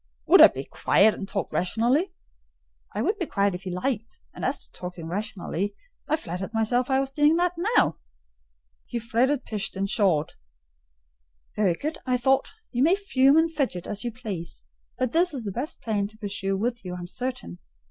"Would I be quiet and talk rationally?" "I would be quiet if he liked, and as to talking rationally, I flattered myself I was doing that now." He fretted, pished, and pshawed. "Very good," I thought; "you may fume and fidget as you please: but this is the best plan to pursue with you, I am certain.